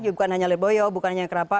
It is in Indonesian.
bukan hanya lirboyo bukan hanya krapa